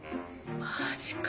マジか！